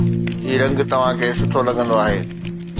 هي رنگ توهان کي سٺو لڳندو آهي